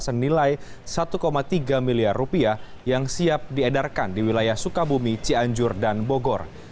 senilai satu tiga miliar rupiah yang siap diedarkan di wilayah sukabumi cianjur dan bogor